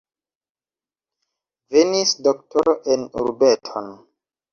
Venis doktoro en urbeton.